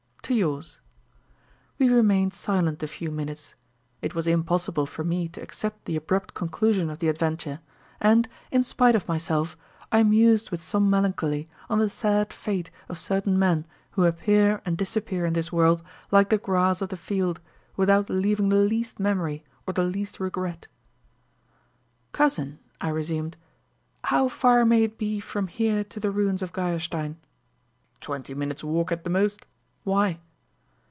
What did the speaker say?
"To yours." We remained silent a few minutes. It was impossible for me to accept the abrupt conclusion of the adventure, and, in spite of myself, I mused with some melancholy on the sad fate of certain men who appear and disappear in this world like the grass of the field, without leaving the least memory or the least regret. "Cousin," I resumed, "how far may it be from here to the ruins of Geierstein?" "Twenty minutes' walk at the most. Why?"